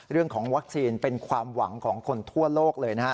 เรื่องของวัคซีนเป็นความหวังของคนทั่วโลกเลยนะฮะ